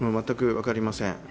全く分かりません。